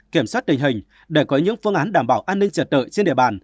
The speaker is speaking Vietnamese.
kiểm soát tình hình để có những phương án đảm bảo an ninh trật tự trên địa bàn